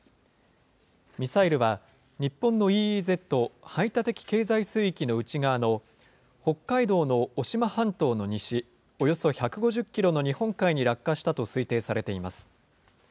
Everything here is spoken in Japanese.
ミサイルは日本のＥＥＺ・排他的経済水域の内側の、北海道の渡島半島の西およそ１５０キロの日本海に落下したと推定されています。